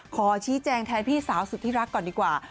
ขอชี้แจงแทนพี่สาวสุดที่รักก่อนดีกว่า